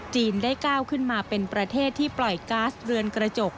ได้ก้าวขึ้นมาเป็นประเทศที่ปล่อยก๊าซเรือนกระจก